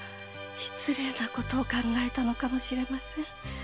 失礼な事を考えたのかもしれません。